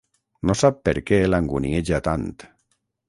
No sap per què l'angunieja tant.